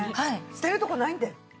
捨てるとこないんだよ。